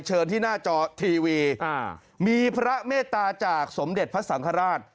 เชิญที่หน้าจอทีวีมีพระเมตตาจากสมเด็จพระสังฆราช